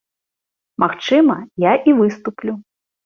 Магчыма, я і выступлю.